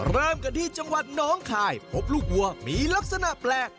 เริ่มกันที่จังหวัดน้องคายพบลูกวัวมีลักษณะแปลก